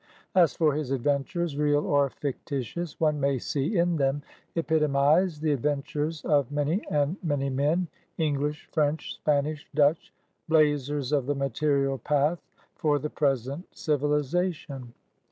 As for his adventures, real or fictitious, one may see in them epitomized the adventures of many and many men, English, French, Spanish, Dutch, blazers of the material path for the present civilization.